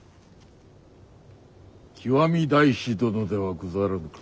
極大師殿ではござらぬか？